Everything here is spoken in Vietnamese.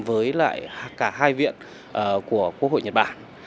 với lại cả hai viện của quốc hội nhật bản